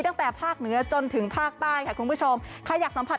ตั้งแต่ภาคเหนือจนถึงภาคใต้ค่ะคุณผู้ชมใครอยากสัมผัส